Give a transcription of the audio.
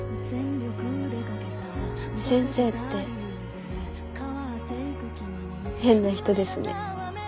先生って変な人ですね。